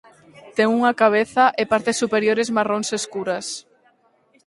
Ten unha cabeza e partes superiores marróns escuras.